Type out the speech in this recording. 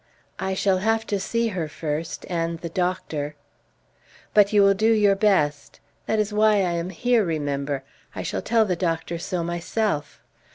"I shall have to see her first, and the doctor." "But you will do your best? That is why I am here, remember! I shall tell the doctor so myself."